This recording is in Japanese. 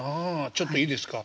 ちょっといいですか。